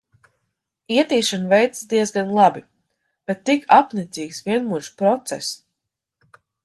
Ietīšana veicas diezgan labi, bet tik apnicīgs, vienmuļš process.